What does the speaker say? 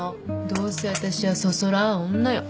どうせ私はそそらん女よ。